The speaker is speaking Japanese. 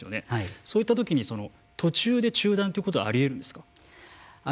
そういったときに途中で中断ということはありえるんですか。